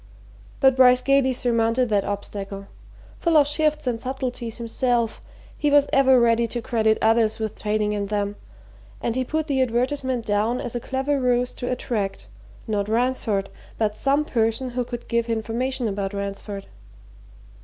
But Bryce gaily surmounted that obstacle full of shifts and subtleties himself, he was ever ready to credit others with trading in them, and he put the advertisement down as a clever ruse to attract, not Ransford, but some person who could give information about Ransford.